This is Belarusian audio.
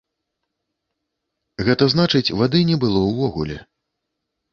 Гэта значыць вады не было ўвогуле.